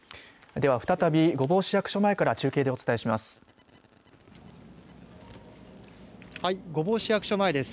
では再び御坊市役所前から中継でお伝えします。